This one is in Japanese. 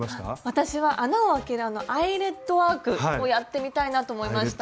私は穴を開けるあのアイレットワークをやってみたいなと思いました。